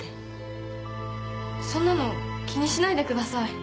そんなの気にしないでください。